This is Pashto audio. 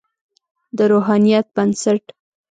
د روحانیت بنسټ.